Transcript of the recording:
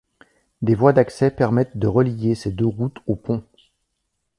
Des voies d'accès permettent de relier ces deux routes au pont.